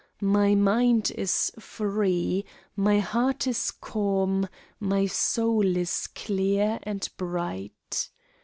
My mind is free, my heart is calm, my soul is clear and bright.